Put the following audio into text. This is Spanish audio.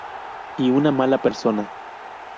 Y una mala persona.